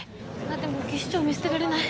でも技師長見捨てられない。